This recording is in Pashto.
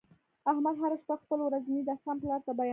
احمد هر شپه خپل ورځنی داستان پلار ته بیانوي.